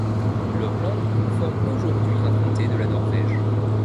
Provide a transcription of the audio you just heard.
L'Oppland forme aujourd'hui un comté de la Norvège.